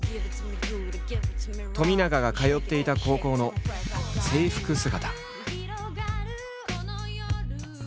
冨永が通っていた高校の制服姿。